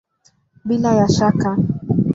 Bila ya shaka!